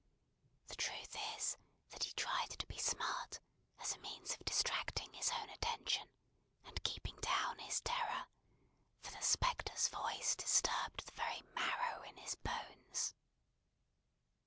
The truth is, that he tried to be smart, as a means of distracting his own attention, and keeping down his terror; for the spectre's voice disturbed the very marrow in his bones.